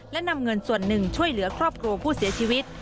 และนำเงินส่วนหนึ่งช่วยเหลือครอบครัวผู้เสียชีวิต